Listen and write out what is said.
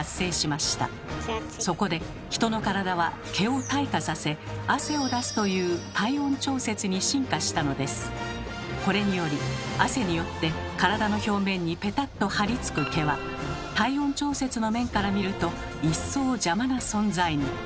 そこで人の体はこれにより汗によって体の表面にペタッとはりつく毛は体温調節の面から見ると一層邪魔な存在に。